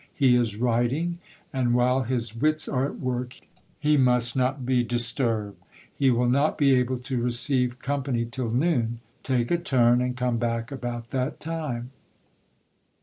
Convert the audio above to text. He is writing, and while his wits are at work, he must not be disturbed. He will not be able to receive company till noon ; take a turn, and come back about that time.